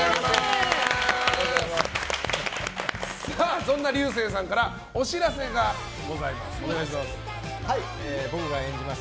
そんな竜星さんからお知らせがございます。